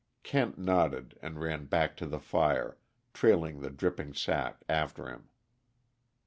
Kent nodded, and ran back to the fire, trailing the dripping sack after him.